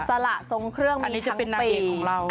สละทรงเครื่องมีทั้งปีอันนี้จะเป็นนางเอกของเราค่ะ